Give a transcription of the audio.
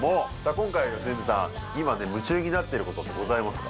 今回は良純さん今ね夢中になってることってございますか？